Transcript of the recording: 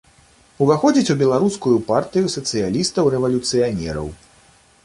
Уваходзіць у беларускую партыю сацыялістаў-рэвалюцыянераў.